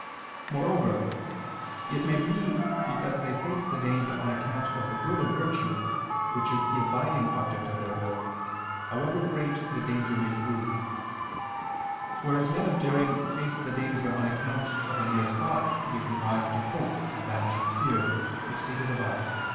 Moreover, it may be because they face the danger on account of the good of virtue which is the abiding object of their will, however great the danger may prove: whereas men of daring face the danger on account of a mere thought giving rise to hope and banishing fear, as stated above (A.